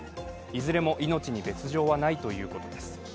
いずれも命に別状はないとのことです。